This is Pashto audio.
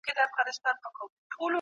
له نوي نسل سره مرسته وکړئ چي پوه سي.